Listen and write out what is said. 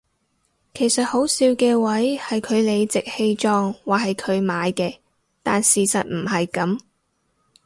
其實好笑嘅位係佢理直氣壯話係佢買嘅但事實唔係噉